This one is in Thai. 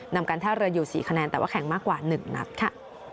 นำการท่าเรืออยู่๔คะแนนแต่ว่าแข่งมากกว่า๑นัดค่ะ